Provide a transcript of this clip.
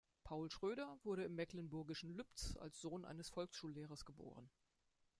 Paul Schröder wurde im mecklenburgischen Lübz als Sohn eines Volksschullehrers geboren.